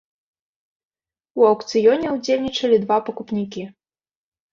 У аўкцыёне ўдзельнічалі два пакупнікі.